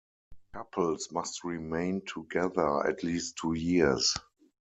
Couples must remain together at least two years.